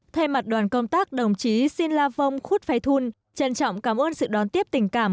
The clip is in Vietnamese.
thay mặt đoàn công tác đồng chí xin la vong khúc phay thun trân trọng cảm ơn sự đón tiếp tình cảm